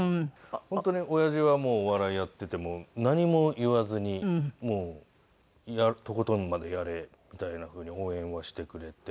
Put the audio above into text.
本当に親父はお笑いやっていても何も言わずにもうとことんまでやれみたいなふうに応援はしてくれて。